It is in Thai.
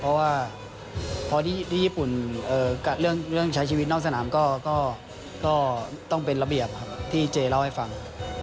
เพราะว่าพอที่ญี่ปุ่นเรื่องใช้ชีวิตนอกสนามก็ต้องเป็นระเบียบครับที่เจเล่าให้ฟัง